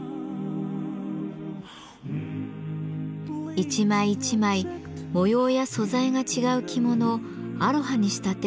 １枚１枚模様や素材が違う着物をアロハに仕立てるのは至難の業。